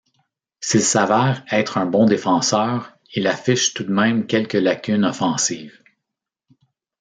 S'il s'avère être un bon défenseur, il affiche tout de même quelque lacunes offensives.